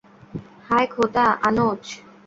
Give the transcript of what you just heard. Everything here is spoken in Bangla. হায় খোদা, আনোচ!